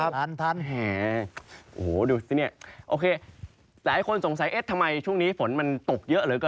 ท่านท่านแห่โอ้โหดูสิเนี่ยโอเคหลายคนสงสัยเอ๊ะทำไมช่วงนี้ฝนมันตกเยอะเหลือเกิน